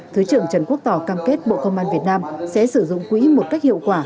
thứ trưởng trần quốc tỏ cam kết bộ công an việt nam sẽ sử dụng quỹ một cách hiệu quả